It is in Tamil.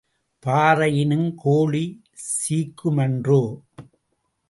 பாறையினும் கோழி சீக்குமன்றோ?